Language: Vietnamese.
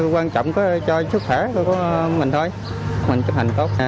quan trọng cho sức khỏe của mình thôi mình chấp hành tốt